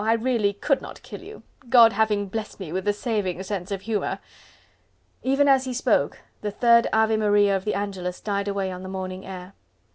I really could not kill you... God having blessed me with the saving sense of humour..." Even as he spoke the third Ave Maria of the Angelus died away on the morning air.